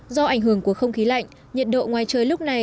do ảnh hưởng của không khí lạnh nhiệt độ ngoài trời lúc này